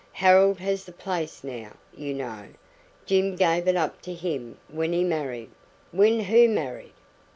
Harold has the place now, you know. Jim gave it up to him when he married." "When who married?"